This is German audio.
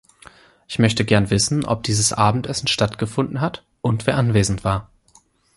Ich möchte gern wissen, ob dieses Abendessen stattgefunden hat und wer anwesend war.